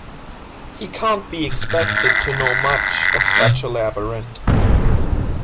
He can't be expected to know much of such a labyrinth.